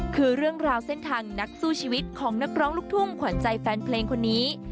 คือเรื่องราวเส้นทางนักสู้ชีวิตของนักร้องลูกทุ่งขวัญใจแฟนเพลงคนนี้